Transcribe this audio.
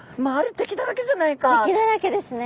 敵だらけですね。